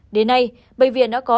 đến nay bệnh viện đã có